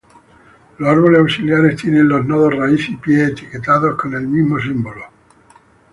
Los árboles auxiliares tienen los nodos raíz y pie etiquetados con el mismo símbolo.